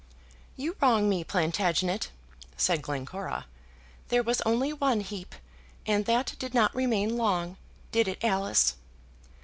"You wrong me, Plantagenet," said Glencora. "There was only one heap, and that did not remain long. Did it, Alice?"